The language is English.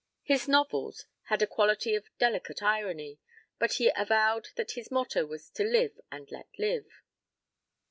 His novels had a quality of delicate irony, but he avowed that his motto was live and let live.